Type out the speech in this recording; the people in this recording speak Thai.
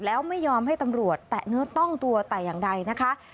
แล้วไม่ยอมให้ตำรวจแตะเนื้อต้องตัวแต่อย่างใดนะคะ